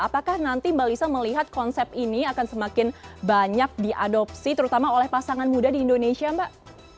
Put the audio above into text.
apakah nanti mbak lisa melihat konsep ini akan semakin banyak diadopsi terutama oleh pasangan muda di indonesia mbak